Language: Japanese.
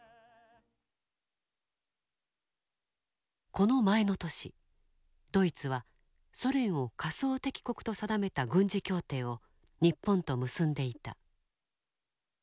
この前の年ドイツはソ連を仮想敵国と定めた軍事協定を日本と結んでいた。